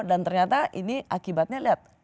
dan ternyata ini akibatnya lihat